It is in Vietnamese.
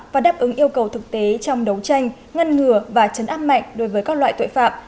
và đáp ứng yêu cầu thực tế trong đấu tranh ngăn ngừa và chấn áp mạnh đối với các loại tội phạm